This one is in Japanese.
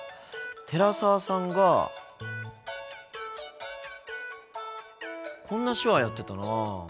寺澤さんがこんな手話やってたな。